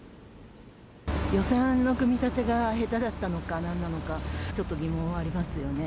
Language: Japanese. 予算の組み立てがへただったのかなんなのか、ちょっと疑問がありますよね。